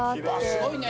すごいね。